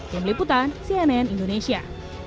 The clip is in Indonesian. demi liputan cnn indonesia